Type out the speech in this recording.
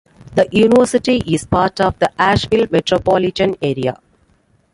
The university is part of the Asheville metropolitan area.